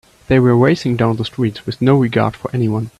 They were racing down the streets with no regard for anyone.